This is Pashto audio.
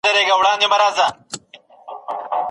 ټولنیزې ستونزي باید وڅېړل سي.